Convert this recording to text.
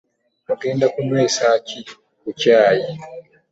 Ogenda kunywesa ki ku kyaayi?